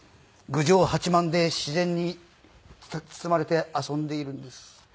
郡上八幡で自然に包まれて遊んでいるんです。